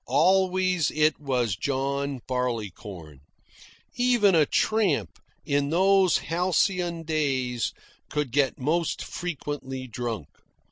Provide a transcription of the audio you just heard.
Always it was John Barleycorn. Even a tramp, in those halcyon days, could get most frequently drunk.